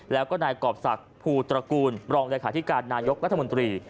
แล้วก็นายกรอบศักดิ์ภูตระกูลรองเลขาธิการนายกรัฐมนตรี